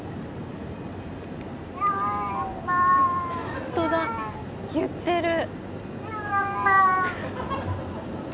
本当だ、言ってる！